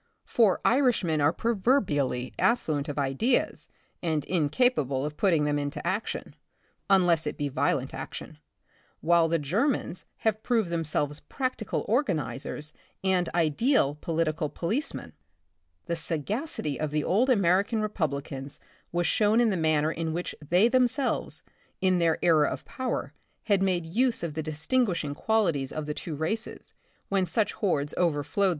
For Irishmen are proverbially affluent of ideas and incapable of putting them into action, unless it be violent action, while the Germans have proved themselves practical organizers and ideal political policemen. The sagacity of the old American Republicans was shown in the manner in which they themselves, in their era of power, had made use of the distinguish ing qualities of the two races, when such hordes overflowed